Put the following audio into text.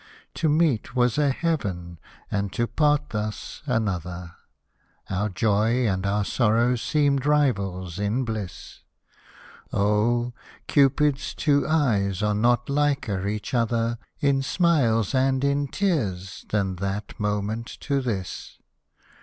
To meet was a heaven, and to part thus another, — Our joy and our sorrow seemed rivals in bliss ; Oh ! Cupid's two eyes are not liker each other In smiles and in tears, than that moment to this.